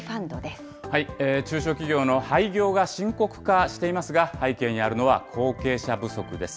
中小企業の廃業が深刻化していますが、背景にあるのは後継者不足です。